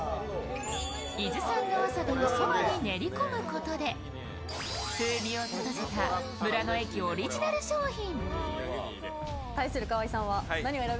伊豆産のわさびをそばに練り込むことで風味をたたせた村の駅オリジナル商品。